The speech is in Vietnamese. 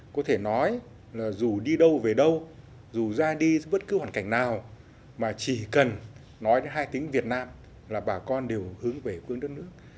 có thể nói là dù đi đâu về đâu dù ra đi bất cứ hoàn cảnh nào mà chỉ cần nói đến hai tiếng việt nam là bà con đều hướng về quê đất nước